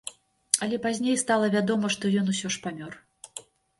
Але пазней стала вядома, што ён усё ж памёр.